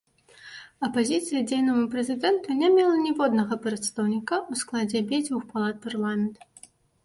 Апазіцыя дзейнаму прэзідэнту не мела ніводнага прадстаўніка ў складзе абедзвюх палат парламент.